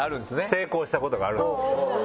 成功したことがあるんです。